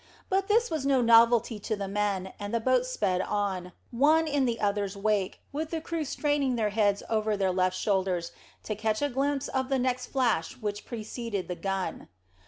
But this was no novelty to the men, and the boats sped on, one in the other's wake, with the crew straining their heads over their left shoulders to catch a glimpse of the next flash which preceded the gun.